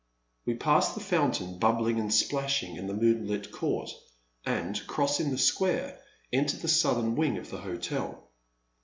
We passed the fountain, bubbling and splashing in the moonlit court, and, crossing the square, entered the southern wing of the hotel.